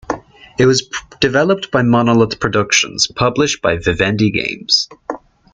It was developed by Monolith Productions, published by Vivendi Games.